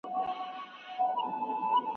که دقت وي نو نتیجه نه خرابېږي.